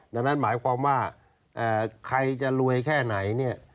ดังนั้นหมายความว่าใครจะรวยแค่ไหนเนี่ย